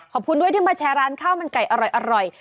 ขอบคุณด้วยที่มาแชร์ร้านข้าวมันไก่อร่อย